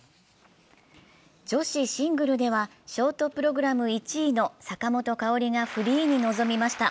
女子シングルではショートプログラム１位の坂本花織がフリーに臨みました。